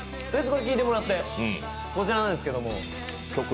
これ聴いてもらって、こちらなんですけど。